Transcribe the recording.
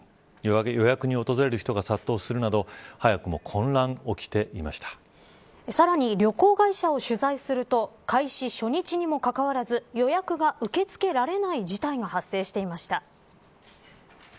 予約に訪れる人が殺到するなどさらに旅行会社を取材すると開始初日にもかかわらず予約が受け付けられない事態が発生していました。